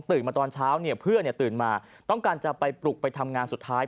มาตอนเช้าเนี่ยเพื่อนตื่นมาต้องการจะไปปลุกไปทำงานสุดท้าย